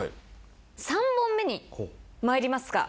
３本目にまいりますが。